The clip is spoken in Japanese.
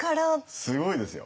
すごいですよ。